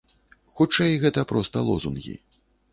Хутчэй гэта проста лозунгі.